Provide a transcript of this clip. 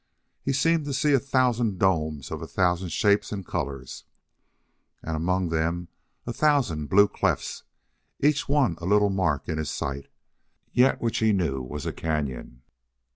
He seemed to see a thousand domes of a thousand shapes and colors, and among them a thousand blue clefts, each one a little mark in his sight, yet which he knew was a cañon.